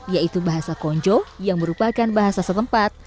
yaitu bahasa konjo yang merupakan bahasa setempat